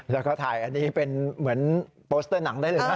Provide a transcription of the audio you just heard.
แล้วก็ถ่ายอันนี้เป็นเหมือนโปสเตอร์หนังได้เลยนะ